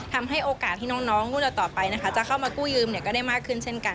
ทำให้โอกาสที่น้องรุ่นต่อไปนะคะจะเข้ามากู้ยืมก็ได้มากขึ้นเช่นกัน